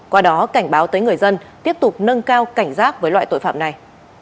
qua đó cảnh báo tới người dân tiếp tục nâng cao cảnh giác với loại tội phạm này